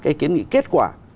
cái kiến nghị kết quả